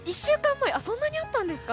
そんなにあったんですか？